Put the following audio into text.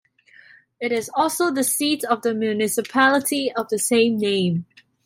It is also the seat of the municipality of the same name.